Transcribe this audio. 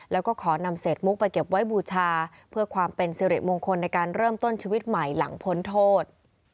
แล้วก็ขอนำเศษมุกไปเก็บไว้บูชาเพื่อความเป็นสิริมงคลในการเริ่มต้นชีวิตใหม่หลังพ้นโทษ